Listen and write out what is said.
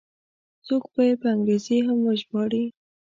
څوک به یې په انګریزي هم وژباړي.